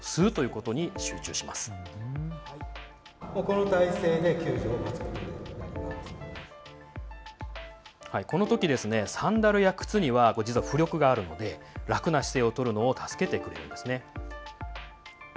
このときサンダルや靴には浮力があるので楽な姿勢をとるのを助けてくれます。